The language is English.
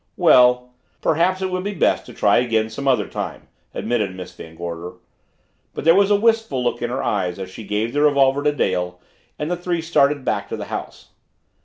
"Well, perhaps it would be best to try again another time," admitted Miss Van Gorder. But there was a wistful look in her eyes as she gave the revolver to Dale and the three started back to the house.